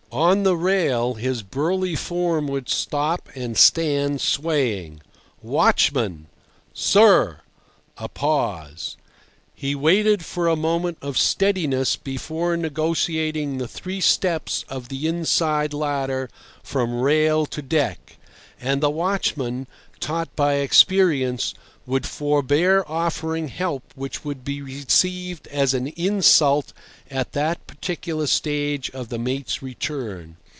On the rail his burly form would stop and stand swaying. "Watchman!" "Sir." A pause. He waited for a moment of steadiness before negotiating the three steps of the inside ladder from rail to deck; and the watchman, taught by experience, would forbear offering help which would be received as an insult at that particular stage of the mate's return.